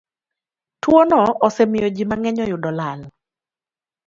Twono osemiyo ji mang'eny oyudo lal.